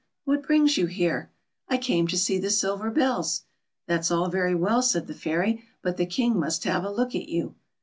" What brings you here ?"" I came to see the silver bells." " That's all very well," said the fairy, "but the King must have a look at you."